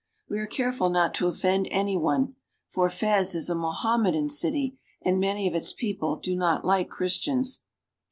We are careful not to offend any one ; for Fez is a Mohammedan city, and many of its people do not like Christians.